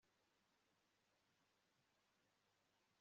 kamanzi ararakaye cyane muburyo ibintu bigenda